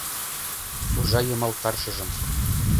Уржа йымал каршыжым